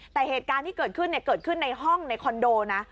แต่เหตุการณ์ที่เกิดขึ้นเกิดขึ้นในห้องในคอนโดนะ